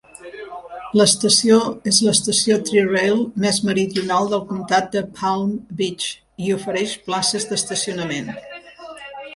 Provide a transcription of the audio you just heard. L'estació és l'estació Tri-Rail més meridional del comtat de Palm Beach i ofereix places d'estacionament.